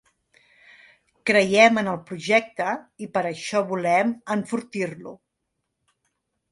Creiem en el projecte i per això volem enfortir-lo.